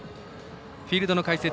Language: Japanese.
フィールドの解説